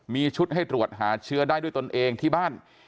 มีชุดให้ตรวจหาเชื้อได้ด้วยตนเองที่บ้าน